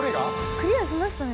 クリアしましたね。